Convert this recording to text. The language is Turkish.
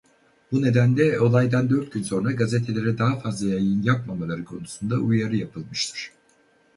Bu nedenle olaydan dört gün sonra gazetelere daha fazla yayın yapmamaları konusunda uyarı yapılmıştır.